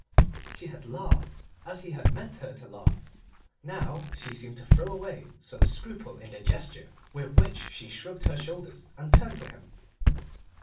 She had laughed, as he had meant her to laugh. Now she seemed to throw away some scruple in the gesture with which she shrugged her shoulders and turned to him.